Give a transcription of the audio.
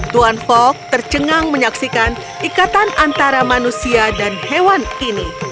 tuan fok tercengang menyaksikan ikatan antara manusia dan hewan ini